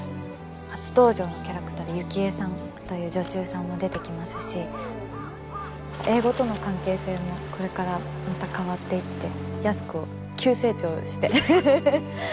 初登場のキャラクターで雪衣さんという女中さんも出てきますし英語との関係性もこれからまた変わっていって安子急成長してヘヘヘヘ。